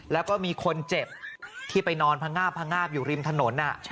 แล้วก็มีคนเจ็บที่ไปนอนพงาบพงาบอยู่ริมถนน